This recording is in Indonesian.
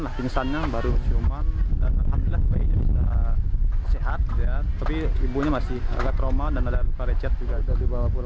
langsung kita pulang langsung ke rumah sakit untuk konsep